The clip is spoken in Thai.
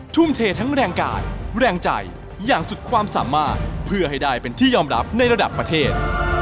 ทุ่มเททั้งแรงกายแรงใจอย่างสุดความสามารถเพื่อให้ได้เป็นที่ยอมรับในระดับประเทศ